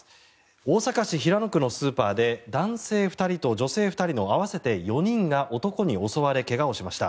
大阪市平野区のスーパーで男性２人と女性２人の合わせて４人が男に襲われ怪我をしました。